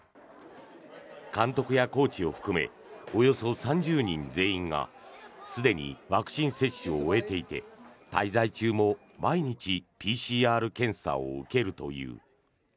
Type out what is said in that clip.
監督やコーチを含めおよそ３０人全員がすでにワクチン接種を終えていて滞在中も毎日ＰＣＲ検査を受けるという。